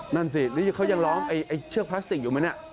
นั่นสินี่เขายังร้องเชือกพลาสติกอยู่ไหมเนี่ย